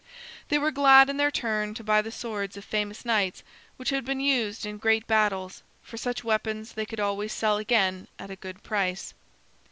They were glad in their turn to buy the swords of famous knights which had been used in great battles, for such weapons they could always sell again at a good price.